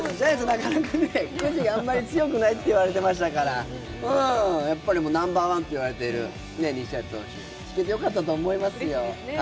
なかなかくじあまり強くないと言われていましたからやっぱりナンバーワンといわれている西舘君、引けて良かったと思いますよ。